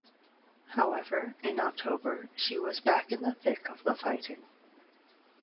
However, in October, she was back in the thick of the fighting.